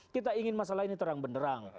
kita ingin masalah ini terang benderang